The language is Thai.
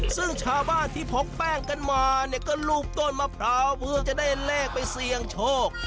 ซึ่งชาวบ้านที่พกแป้งกันมาเนี่ยก็รูปต้นมะพร้าวเพื่อจะได้เลขไปเสี่ยงโชค